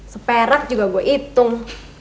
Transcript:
seperak juga gue hitung